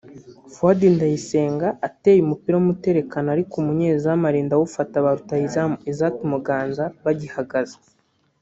' Fuadi Ndayisenga ateye umupira w' umuterekano ariko umunyezamu arinda awufata ba rutahizamu Isaac Muganza bagihagaze